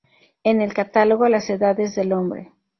En el "Catálogo Las Edades del Hombre.